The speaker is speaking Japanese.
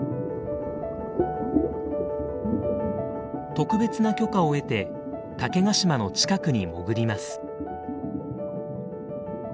特別な許可を得て竹ヶ島の近くに潜ります。